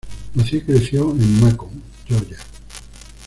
Nació y creció en Macon, Georgia.